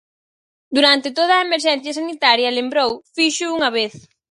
Durante toda a emerxencia sanitaria, lembrou, fíxoo unha vez.